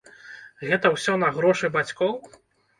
Гэта ўсё на грошы бацькоў?